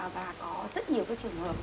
và có rất nhiều cái trường hợp